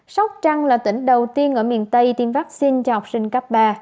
sóc trăng là tỉnh đầu tiên ở miền tây tiêm vaccine cho học sinh cấp ba